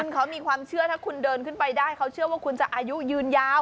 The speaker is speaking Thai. เขามีความเชื่อถ้าคุณเดินขึ้นไปได้เขาเชื่อว่าคุณจะอายุยืนยาว